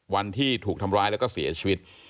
วันที่ถูกทำร้ายแล้วก็เสียชีวิต